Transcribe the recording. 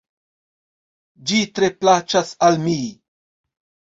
Ĝi tre plaĉas al mi.